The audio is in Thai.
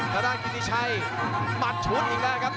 ข้าด้านกินิชัยหมัดชุดอีกได้ครับ